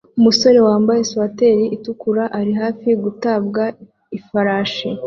Umusore wambaye swater itukura ari hafi gutabwa ifarashi